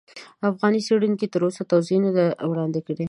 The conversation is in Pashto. افغان څېړونکو تر اوسه توضیح نه دي وړاندې کړي.